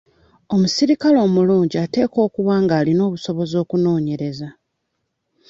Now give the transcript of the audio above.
Omusirikale omulungi ateekwa okuba ng'alina obusobozi okunoonyereza.